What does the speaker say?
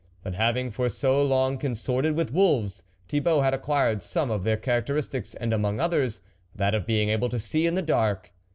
But having for so long con sorted with wolves, Thibault had acquired some of their characteristics, and, among others, that of being able to see in the dark.